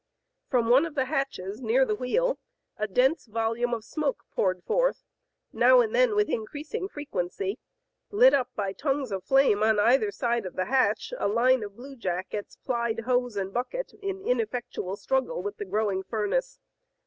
From one of the hatches near the wheel a dense volume of smoke poured forth, now and then with increasing frequency ; lit up by tongues of flame on either side of the hatch, a line of blue jackets plied hose and bucket in ineffectual struggle with the growing furnace.